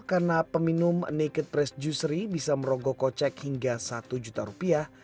karena peminum naked fresh juicery bisa merogok kocek hingga satu juta rupiah